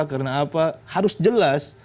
karena apa harus jelas